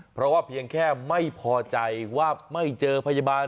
เพราะว่าเพียงแค่ไม่พอใจว่าไม่เจอพยาบาล